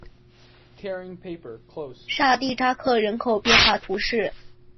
沙尔蒂扎克人口变化图示